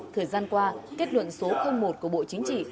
thời gian qua kết luận số một của bộ chính trị